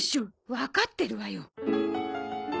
わかってるわよ。